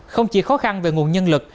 không chỉ khó khăn về nguồn nhân lực